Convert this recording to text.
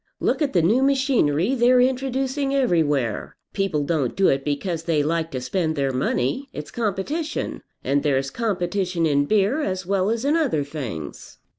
Look at the new machinery they're introducing everywhere. People don't do it because they like to spend their money. It's competition; and there's competition in beer as well as in other things."